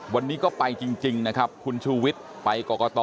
วันนี้ก็ไปจริงนะครับคุณชูวิทย์ไปกรกต